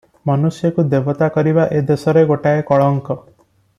ମନୁଷ୍ୟକୁ ଦେବତା କରିବା ଏ ଦେଶରେ ଗୋଟାଏ କଳଙ୍କ ।